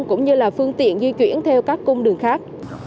cũng như là phương tiện di chuyển theo các cung đường khác